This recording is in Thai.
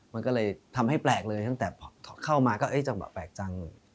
มันก็เลยทำให้แปลกเลยตั้งแต่เข้ามาก็จังหวะแปลกจัง